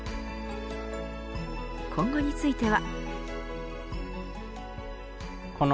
今後については。